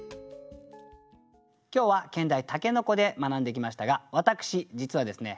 今日は兼題「筍」で学んできましたが私実はですね